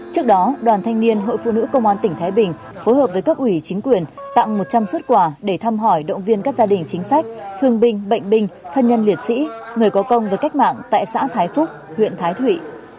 trước đó đoàn thanh niên hội phụ nữ công an tỉnh thái bình phối hợp với cấp ủy chính quyền tặng một trăm linh xuất quà để thăm hỏi động viên các gia đình chính sách thương binh bệnh binh thân nhân liệt sĩ người có công với cách mạng tại xã thái phúc huyện thái thụy